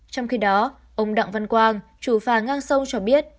trong khi đó ông đặng văn quang chủ phà ngang sông cho biết